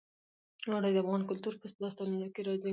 اوړي د افغان کلتور په داستانونو کې راځي.